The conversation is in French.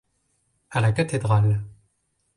à la cathédrale.